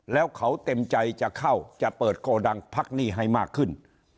แล้วเขาเต็มใจจะเข้าจะเปิดโกดังพักหนี้ให้มากขึ้น